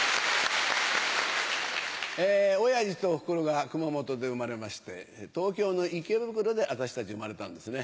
おやじとおふくろが熊本で産まれまして、東京の池袋で私たち生まれたんですね。